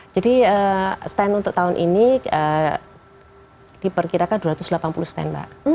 jadi stand untuk tahun ini diperkirakan dua ratus delapan puluh stand mbak